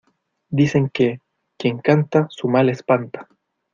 dicen que... quien canta, su mal espanta .